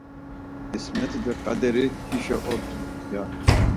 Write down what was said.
K̆ismet̆i do ǩaderi hişo ort̆u, ya.